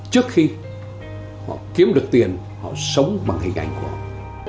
trước khi họ kiếm được tiền họ sống bằng hình ảnh của họ